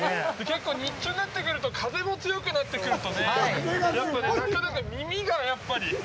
結構日中になってくると風が強くなってくるとなかなか耳がやっぱり。